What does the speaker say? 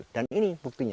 dan ini buktinya